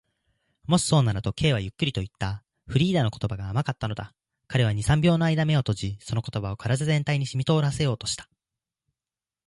「もしそうなら」と、Ｋ はゆっくりといった。フリーダの言葉が甘かったのだ。彼は二、三秒のあいだ眼を閉じ、その言葉を身体全体にしみとおらせようとした。